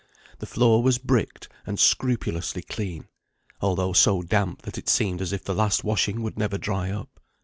The floor was bricked, and scrupulously clean, although so damp that it seemed as if the last washing would never dry up.